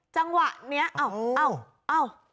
จังหวะเนี้ยอ้าว